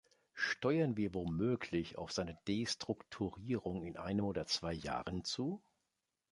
Steuern wir womöglich auf seine Destrukturierung in einem oder zwei Jahren zu?